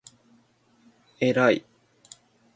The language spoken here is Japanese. えらい